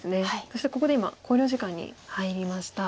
そしてここで今考慮時間に入りました。